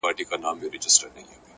هوښیار فکر راتلونکی له نن سره تړي,